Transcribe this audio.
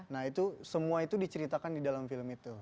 nah itu semua itu diceritakan di dalam film itu